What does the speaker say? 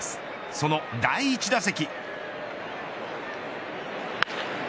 その第１打席。